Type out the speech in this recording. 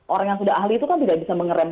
orang yang sudah ahli itu kan tidak bisa mengeram